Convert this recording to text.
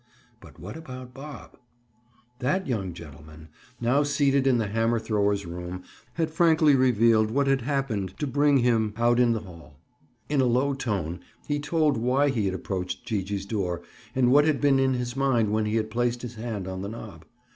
But what about Bob? That young gentleman, now seated in the hammer thrower's room, had frankly revealed what had happened to bring him out in the hall. In a low tone he told why he had approached Gee gee's door and what had been in his mind when he had placed his hand on the knob.